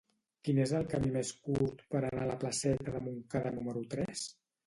Quin és el camí més curt per anar a la placeta de Montcada número tres?